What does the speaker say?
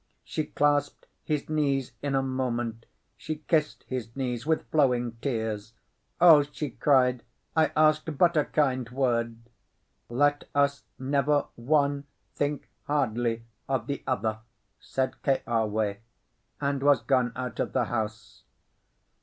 She clasped his knees in a moment; she kissed his knees with flowing tears. "O," she cried, "I asked but a kind word!" "Let us never one think hardly of the other," said Keawe, and was gone out of the house.